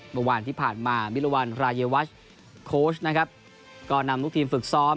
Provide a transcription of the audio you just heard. เมื่อวานที่ผ่านมามิรวรรณรายวัชโค้ชนะครับก็นำลูกทีมฝึกซ้อม